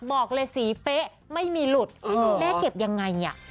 บอกเลยสีเป๊ะไม่มีหลุดแม่เก็บยังไงอ่ะ